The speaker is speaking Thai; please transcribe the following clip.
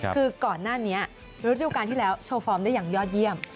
คือก่อนหน้านี้ฤดูการที่แล้วโชว์ฟอร์มได้อย่างยอดเยี่ยม